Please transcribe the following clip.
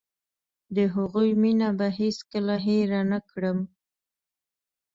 د هغوی مينه به هېڅ کله هېره نکړم.